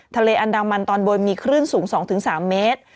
ทะเลอันดามันตอนบนมีคลื่นสูง๒๓เมตร